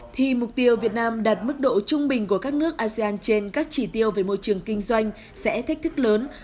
thì mục tiêu việt nam đạt mức độ trung bình của các nước asean trên các chỉ tiêu về môi trường kinh doanh sẽ thách thức lớn